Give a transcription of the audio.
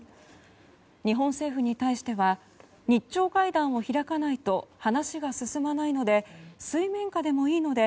日本政府に対しては日朝会談を開かないと話が進まないので水面下でもいいので